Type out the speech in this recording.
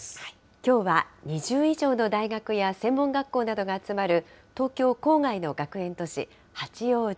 きょうは２０以上の大学や専門学校などが集まる東京郊外の学園都市、八王子。